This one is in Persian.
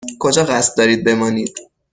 کجا قصد دارید بمانید؟